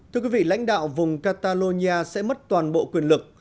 thưa quý vị lãnh đạo vùng catalonia sẽ mất toàn bộ quyền lực